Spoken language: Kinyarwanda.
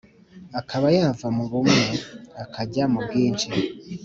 akaba yava mu bumwe akajya mu bwinshi.